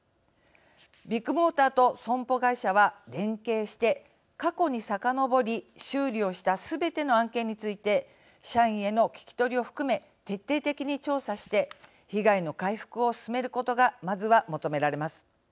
ビッグモーターと損保会社は連携して過去にさかのぼり修理をしたすべての案件について社員への聞き取りを含め徹底的に調査して被害の回復を進めることがまずは求められます。